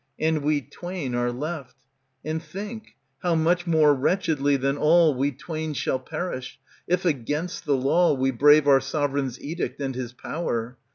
And we twain are left ; And think, how much more wretchedly than all We twain shall perish, if, against the law. We brave our sovereign's edict and his power.